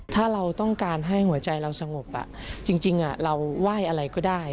ถ้าเราต้องการให้หัวใจเราสงบจริงเราไหว้อะไรก็ได้